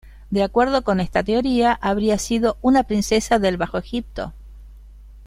De acuerdo con esta teoría, habría sido una princesa del Bajo Egipto.